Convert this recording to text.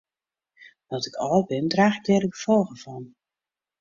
No't ik âld bin draach ik dêr de gefolgen fan.